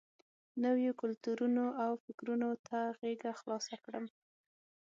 نویو کلتورونو او فکرونو ته غېږه خلاصه کړم.